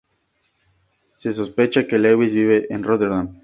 Se sospecha que Lewis vive en Rotterdam.